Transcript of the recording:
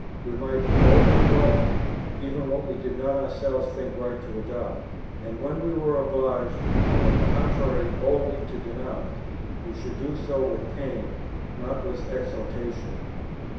We might boldly welcome, even what we did not ourselves think right to adopt. And, when we were obliged on the contrary boldly to denounce, we should do so with pain, not with exultation.